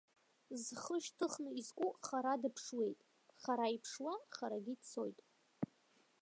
Зхы шьҭыхны изку хара дыԥшуеит, хара иԥшуа харагьы дцоит.